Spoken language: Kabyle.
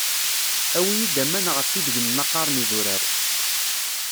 Awi-yi-d aman ɣef ideg mnaqaṛen idurar!